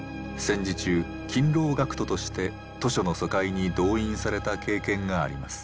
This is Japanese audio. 戦時中勤労学徒として図書の疎開に動員された経験があります。